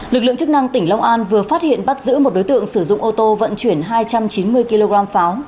lực lượng chức năng tỉnh long an vừa phát hiện bắt giữ một đối tượng sử dụng ô tô vận chuyển hai trăm chín mươi kg pháo